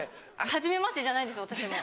はじめましてじゃないです私も。